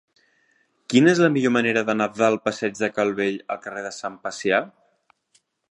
Quina és la millor manera d'anar del passeig de Calvell al carrer de Sant Pacià?